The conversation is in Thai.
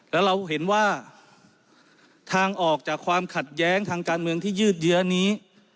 แล้วเราเห็นว่าทางออกจากความขัดแย้งทางการเมืองที่ยืดเยื้อนี้